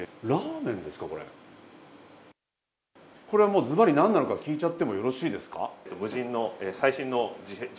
これはズバリ何なのか聞いちゃってもよろしいですか？